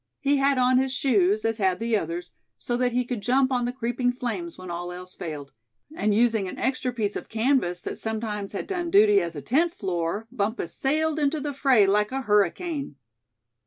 He had on his shoes, as had the others, so that he could jump on the creeping flames when all else failed; and using an extra piece of canvas that sometimes had done duty as a tent floor, Bumpus sailed into the fray like a hurricane.